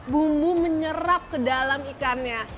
bumbu menyerap ke dalam ikannya